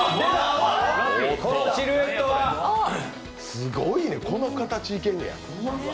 すごいね、この形、いけんねや。